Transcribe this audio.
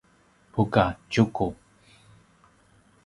buka: tjuku